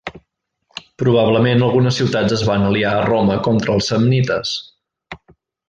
Probablement algunes ciutats es van aliar a Roma contra els samnites.